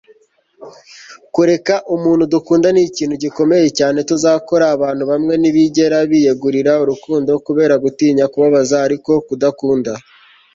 kureka umuntu dukunda nikintu gikomeye cyane tuzakora abantu bamwe ntibigera biyegurira urukundo kubera gutinya kubabaza ariko kudakunda